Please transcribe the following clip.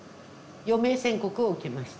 余命宣告を受けました。